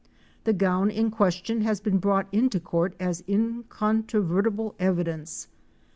The gown in question has been brought into court as incontrovertible evidence.